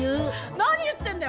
何言ってんだよ